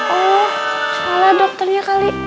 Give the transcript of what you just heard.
oh salah dokternya kali